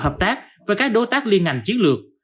hợp tác với các đối tác liên ngành chiến lược